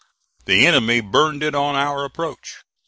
The enemy burned it on our approach.